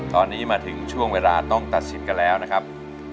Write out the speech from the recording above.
ตอนนี้มาถึงช่วงเวลาต้องตัดสิทธิ์กันแล้วนะครับ